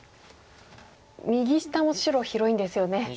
右下も白広いんですよね。